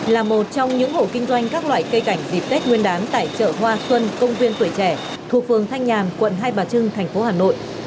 là một trong những hộ kinh doanh các loại cây cảnh dịp tết nguyên đán tại chợ hoa xuân công viên tuổi trẻ thuộc phường thanh nhàn quận hai bà trưng thành phố hà nội